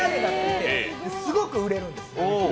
すごく売れるんですよ。